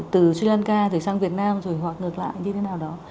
từ sri lanka rồi sang việt nam rồi hoặc ngược lại như thế nào đó